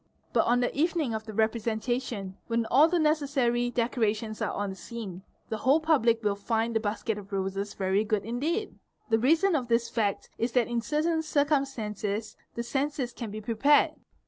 But on the evening — of the representation, when all the necessary decorations are on the scene, the whole public will find the basket of roses very good indeed. — The reason of this fact is that in certain circumstances the senses can be '' prepared."